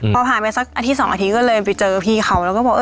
พอผ่านไปสักอาทิตย์๒อาทิตย์ก็เลยไปเจอพี่เขาแล้วก็บอก